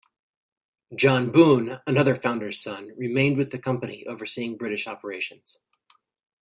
John Boon, another founder's son, remained with the company, overseeing British operations.